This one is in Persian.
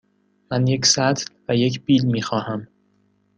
من یک سطل و یک بیل می خواهم.